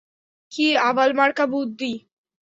কী আবালমার্কা বুদ্ধি।